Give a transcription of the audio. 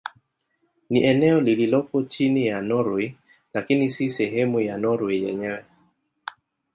Ni eneo lililopo chini ya Norwei lakini si sehemu ya Norwei yenyewe.